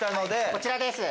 こちらです。